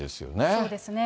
そうですね。